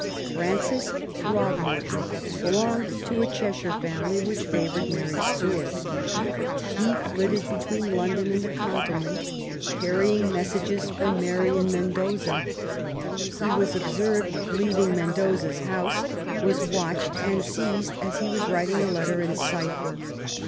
Francis Throgmorton belonged to a Cheshire family which favoured Mary Stuart. He flitted between London and the Continent, carrying messages from Mary and Mendoza. He was observed leaving Mendoza's house, was watched, and seized as he was writing a letter in cipher.